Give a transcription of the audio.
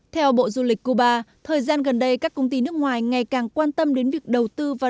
theo bộ du lịch cuba thời gian gần đây các công ty nước ngoài ngày càng quan tâm đến việc đầu tư vào